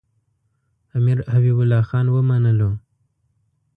امیر حبیب الله خان ومنلو.